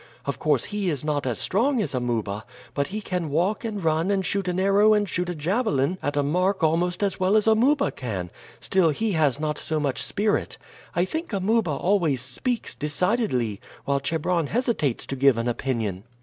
Of course, he is not as strong as Amuba, but he can walk and run and shoot an arrow and shoot a javelin at a mark almost as well as Amuba can; still he has not so much spirit. I think Amuba always speaks decidedly, while Chebron hesitates to give an opinion."